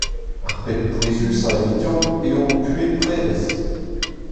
Ar pep pouezusañ evidomp eo ho puhez prevez.